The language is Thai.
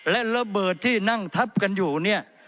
และระเบิดที่นั่งทับกันอยู่เนี่ย